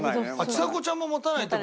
ちさ子ちゃんも持たないって